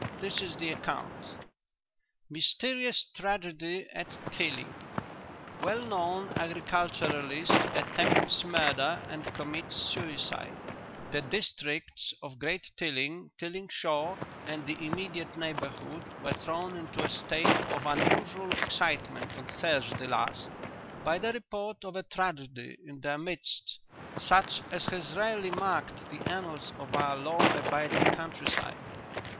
This is the account: "'MYSTERIOUS TRAGEDY AT TILLING "'WELL KNOWN AGRICULTURALIST ATTEMPTS MURDER AND COMMITS SUICIDE "'The districts of Great Tilling, Tilling Shaw and the immediate neighbourhood were thrown into a state of unusual excitement on Thursday last by the report of a tragedy in their midst such as has rarely marked the annals of our law abiding country side.